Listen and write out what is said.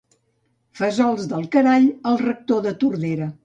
Fesols del carall, el rector de Tordera.